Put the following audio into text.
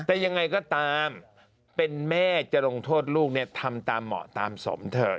แต่ยังไงก็ตามเป็นแม่จะลงโทษลูกเนี่ยทำตามเหมาะตามสมเถอะ